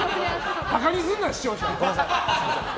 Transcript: バカにするな、視聴者を。